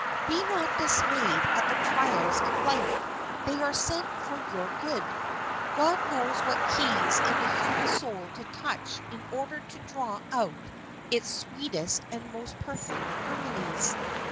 Be not dismayed at the trials of life; they are sent for your good. God knows what keys in the human soul to touch in order to draw out its sweetest and most perfect harmonies.